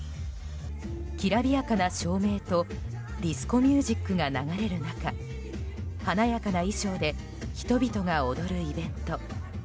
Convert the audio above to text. きらびやかな照明とディスコミュージックが流れる中華やかな衣装で人々が躍るイベント。